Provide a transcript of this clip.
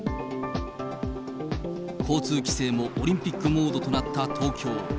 交通規制もオリンピックムードとなった東京。